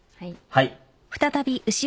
はい。